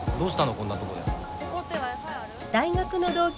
こんなとこで。